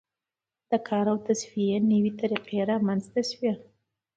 د کار او تصفیې نوې طریقې رامنځته شوې.